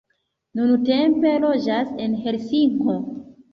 Nuntempe loĝas en Helsinko.